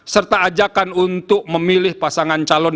serta ajakan untuk memilih pasangan calon